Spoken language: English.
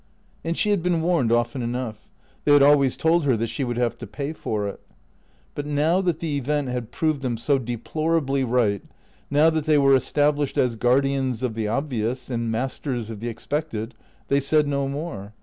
And she had been warned often enough. They had always told her that she would have to pay for it. But now that the event had proved them so deplorably right, now that they were established as guardians of the obvious, and masters of the expected, they said no more.